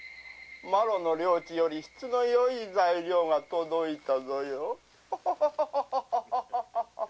麿の領地から質のよい材料が届いたぞよ。